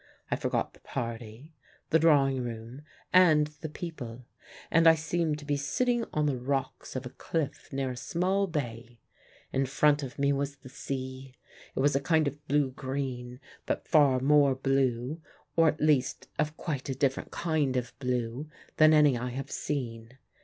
I forgot the party, the drawing room and the people, and I seemed to be sitting on the rocks of a cliff near a small bay; in front of me was the sea: it was a kind of blue green, but far more blue or at least of quite a different kind of blue than any I have seen.